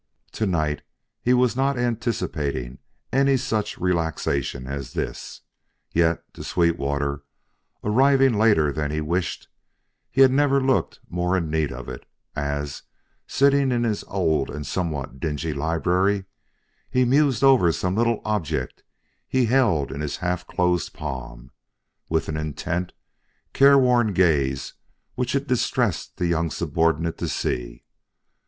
To night he was not anticipating any such relaxation as this, yet to Sweetwater, arriving later than he wished, he had never looked more in need of it, as, sitting in his old and somewhat dingy library, he mused over some little object he held in his half closed palm, with an intent, care worn gaze which it distressed his young subordinate to see.